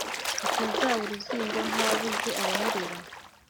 Utazaba uruzingo Nk’uwabuze abamurera.